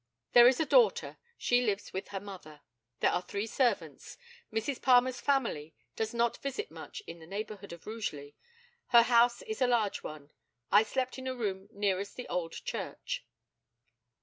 There is a daughter. She lives with her mother. There are three servants. Mrs. Palmer's family does not visit much in the neighbourhood of Rugeley. Her house is a large one. I slept in a room nearest the Old Church.